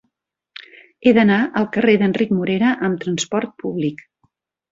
He d'anar al carrer d'Enric Morera amb trasport públic.